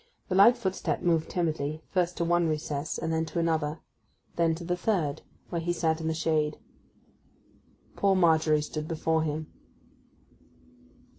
The light footstep moved timidly, first to one recess, and then to another; then to the third, where he sat in the shade. Poor Margery stood before him.